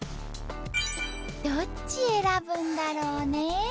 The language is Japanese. どっち選ぶんだろうねえ？